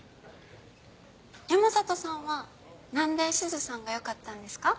山里さんは何でしずさんがよかったんですか？